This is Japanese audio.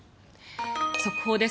速報です。